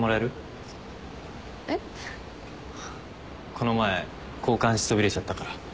この前交換しそびれちゃったから。